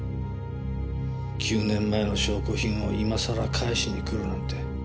９年前の証拠品を今さら返しにくるなんて。